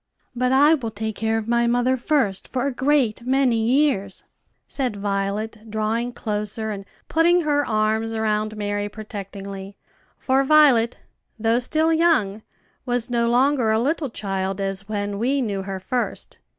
"But I will take care of my mother first, for a great many years," said Violet, drawing closer, and putting her arms around Mary protectingly; for Violet, though still young, was no longer a little child, as when we knew her first.